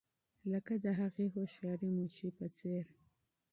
لکه د هغې هوښیارې منشي په څېر.